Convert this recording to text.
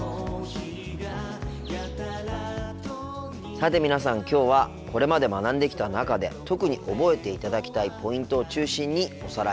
さて皆さんきょうはこれまで学んできた中で特に覚えていただきたいポイントを中心におさらいしています。